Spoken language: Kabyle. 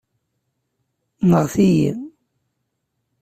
Nɣet-iyi.